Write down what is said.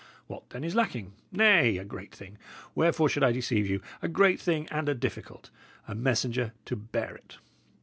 What, then, is lacking? Nay, a great thing wherefore should I deceive you? a great thing and a difficult: a messenger to bear it.